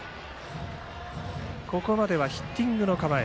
ここまではヒッティングの構え。